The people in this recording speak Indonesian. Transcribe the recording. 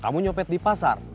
kamu nyopet di pasar